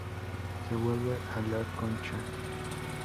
Se vuelve a la Concha.